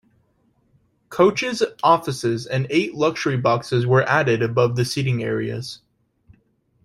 Coaches offices and eight luxury boxes were added above the seating areas.